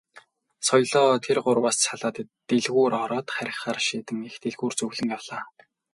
Соёлоо тэр гурваас салаад дэлгүүр ороод харихаар шийдэн их дэлгүүр зүглэн явлаа.